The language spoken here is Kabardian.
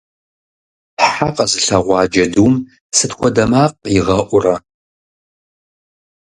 Хьэ къэзылъэгъуа джэдум сыт хуэдэ макъ игъэӀурэ?